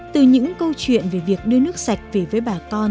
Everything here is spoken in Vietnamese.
từ những câu chuyện về việc đưa nước sạch về với bà con